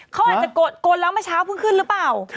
เขาอาจจะโกนแล้วกล้องไปเช้าเพิ่งขึ้นหรือเปล่า